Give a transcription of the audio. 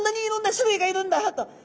種類がいるんだと。